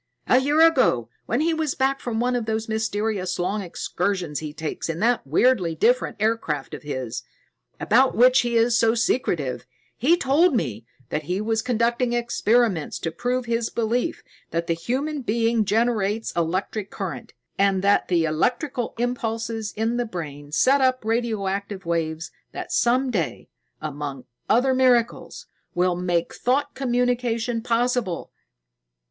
"A year ago, when he was back from one of those mysterious long excursions he takes in that weirdly different aircraft of his, about which he is so secretive, he told me that he was conducting experiments to prove his belief that the human brain generates electric current, and that the electrical impulses in the brain set up radioactive waves that some day, among other miracles, will make thought communication possible.